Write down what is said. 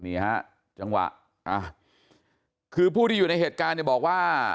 นี่ครับจังหวะคือผู้ที่อยู่ในเหตุการณ์บอกว่า